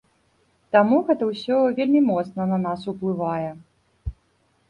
Таму гэта ўсё вельмі моцна на нас уплывае.